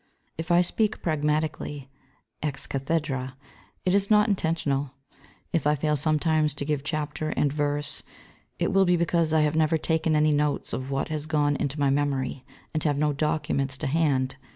If I speak pragmatically, ex cathedrâ, it is not intentional. If I fail sometimes to give chapter and verse it will be because I have never taken any notes of what has gone into my memory, and have no documents to hand.